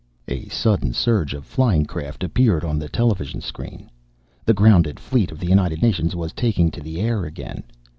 A sudden surge of flying craft appeared on the television screen. The grounded fleet of the United Nations was taking to the air again.